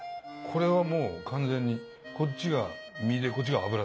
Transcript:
これはもう完全にこっちが身でこっちが脂ですか？